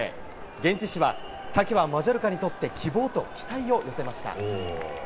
現地紙はタケはマジョルカにとって希望と期待を寄せました。